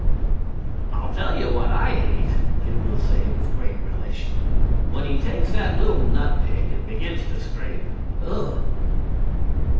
"I'll tell you what I hate," they will say with great relish, "when he takes that little nut pick and begins to scrape. Ugh!"